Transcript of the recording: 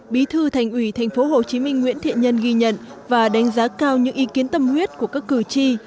bí thư thành ủy tp hcm nguyễn thiện nhân ghi nhận và đánh giá cao những ý kiến tâm huyết của các cử tri